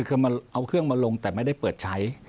คือเอาเครื่องมาลงแต่ไม่ได้เปิดใช้